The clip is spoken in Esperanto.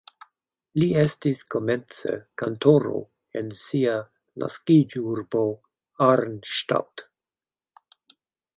Li estis komence kantoro en sia naskiĝurbo Arnstadt.